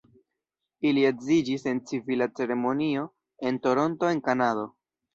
Ili edziĝis en civila ceremonio en Toronto en Kanado.